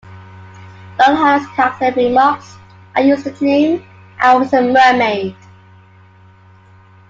Daryl Hannah's character remarks, I use to dream I was a mermaid.